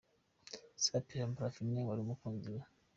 Safi na Parfine wari umukunzi we